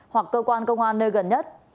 hoặc cơ quan công an nơi gần nhất